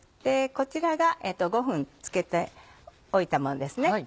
こちらが５分つけておいたものですね。